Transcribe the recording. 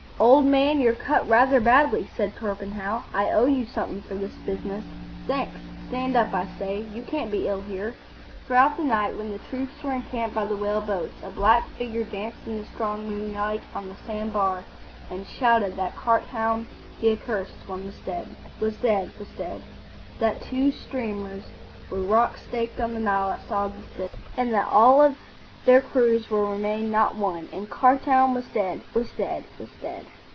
"Old man, you're cut rather badly," said Torpenhow. "I owe you something for this business. Thanks. Stand up! I say, you can't be ill here." Throughout the night, when the troops were encamped by the whale boats, a black figure danced in the strong moonlight on the sand bar and shouted that Khartoum the accursed one was dead,—was dead,—was dead,—that two steamers were rock staked on the Nile outside the city, and that of all their crews there remained not one; and Khartoum was dead,—was dead,—was dead!